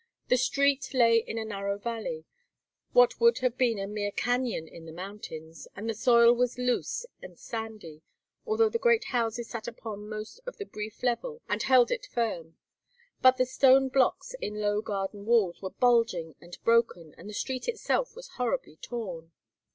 The street lay in a narrow valley, what would have been a mere cañon in the mountains, and the soil was loose and sandy, although the great houses sat upon most of the brief level and held it firm. But the stone blocks in low garden walls were bulging and broken, and the street itself was horribly torn.